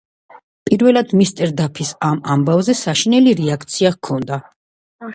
პირველად მისტერ დაფის ამ ამბავზე საშინელი რეაქცია ჰქონდა.